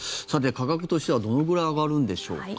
さて、価格としてはどれくらい上がるんでしょう。